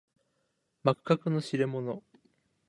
幕閣の利れ者